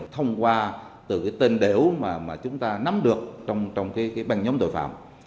thông qua từ cái tên đẻo mà chúng ta nắm được trong cái băng nhóm tội phạm